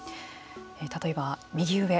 例えば右上。